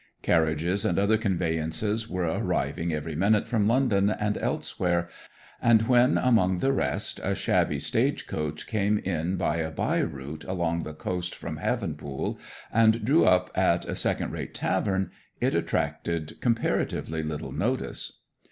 Carriages and other conveyances were arriving every minute from London and elsewhere; and when among the rest a shabby stage coach came in by a by route along the coast from Havenpool, and drew up at a second rate tavern, it attracted comparatively little notice.